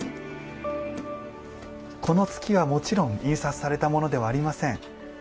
この月はもちろん印刷されたものではありません。